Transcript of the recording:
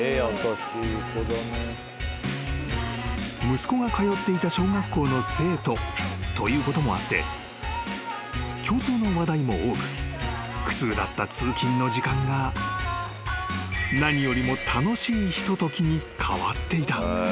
［息子が通っていた小学校の生徒ということもあって共通の話題も多く苦痛だった通勤の時間が何よりも楽しいひとときに変わっていた］